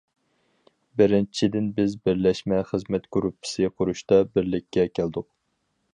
بىرىنچىدىن بىز بىرلەشمە خىزمەت گۇرۇپپىسى قۇرۇشتا بىرلىككە كەلدۇق.